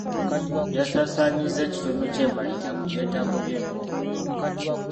Yasaasaanyizza ekitundu ky'embalirira ku byetaago bye nga omuntu.